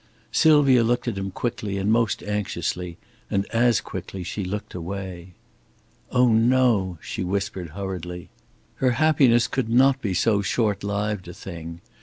Sylvia looked at him quickly and most anxiously; and as quickly she looked away. "Oh, no," she whispered hurriedly. Her happiness could not be so short lived a thing.